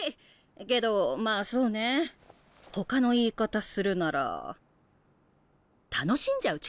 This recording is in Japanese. けどまあそうねほかの言い方するなら楽しんじゃう力？